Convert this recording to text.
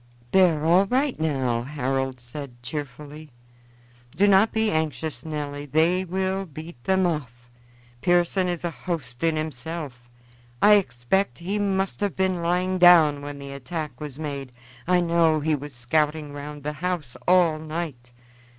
"They are all right now," Harold said cheerfully. "Do not be anxious, Nelly; they will beat them off, Pearson is a host in himself. I expect he must have been lying down when the attack was made. I know he was scouting round the house all night.